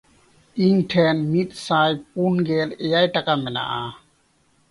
ᱤᱧ ᱴᱷᱮᱱ ᱢᱤᱫᱥᱟᱭ ᱯᱩᱱᱜᱮᱞ ᱮᱭᱟᱭ ᱴᱟᱠᱟ ᱢᱮᱱᱟᱜᱼᱟ᱾